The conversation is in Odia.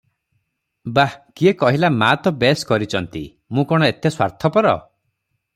"ବାଃ କିଏ କହିଲା- ମାଆତ ବେଶ୍ କରିଚନ୍ତି- ମୁଁ କଣ ଏତେ ସ୍ୱାର୍ଥପର ।